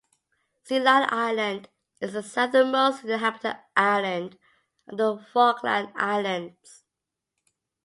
Sea Lion Island is the southernmost inhabited island of the Falkland Islands.